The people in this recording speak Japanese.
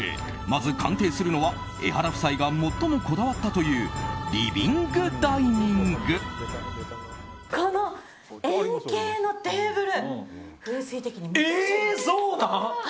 まず鑑定するのはエハラ夫婦が最もこだわったというリビングダイニング！